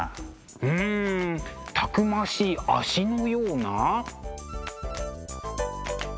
うんたくましい足のような。